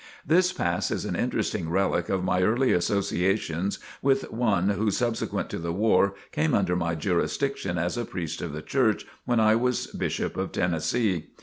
This pass is an interesting relic of my early associations with one who subsequent to the war came under my jurisdiction as a priest of the Church when I was Bishop of Tennessee.